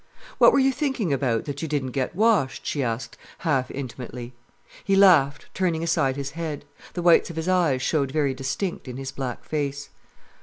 "What were you thinking about, that you didn't get washed?" she asked, half intimately. He laughed, turning aside his head. The whites of his eyes showed very distinct in his black face.